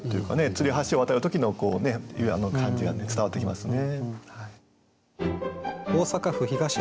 吊り橋を渡る時の感じが伝わってきますね。